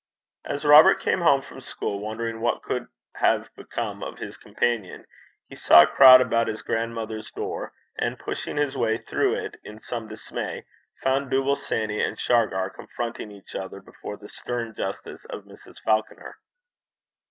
As Robert came home from school, wondering what could have become of his companion, he saw a crowd about his grandmother's door, and pushing his way through it in some dismay, found Dooble Sanny and Shargar confronting each other before the stern justice of Mrs. Falconer.